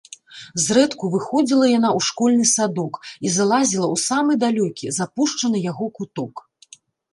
Зрэдку выходзіла яна ў школьны садок і залазіла ў самы далёкі, запушчаны яго куток.